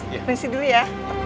pindah ke sini dulu ya